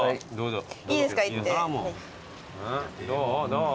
どう？